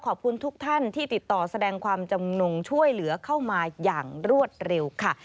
ขอบคุณทุกท่านที่ติดต่อแสดงความจำนงช่วยเหลือเข้ามาอย่างรวดเร็วค่ะ